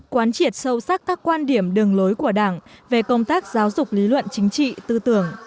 quán triệt sâu sắc các quan điểm đường lối của đảng về công tác giáo dục lý luận chính trị tư tưởng